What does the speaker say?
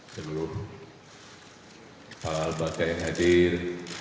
sebelum pak al baghdadi yang hadir